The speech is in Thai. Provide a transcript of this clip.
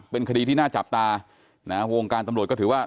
เป็นคดีที่น่าจับตานะฮะวงการตำรวจก็ถือว่า